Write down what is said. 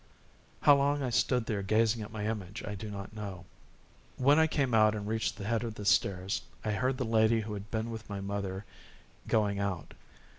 How long I stood there gazing at my image I do not know. When I came out and reached the head of the stairs, I heard the lady who had been with my mother going out.